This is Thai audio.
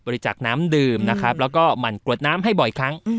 จริจักษ์น้ำดื่มนะครับแล้วก็หมั่นกรวดน้ำให้บ่อยครั้ง